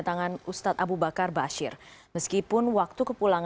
yang bernajak muliaistine bisa kitty sejak tahun dua ribu tiga belas